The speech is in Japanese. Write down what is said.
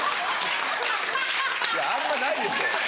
いやあんまないでしょ。